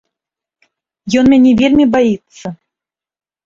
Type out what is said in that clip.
Ён мяне вельмі баіцца.